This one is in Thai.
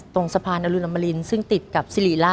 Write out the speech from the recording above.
ตรงสะพานอรุณมารินซึ่งติดกับ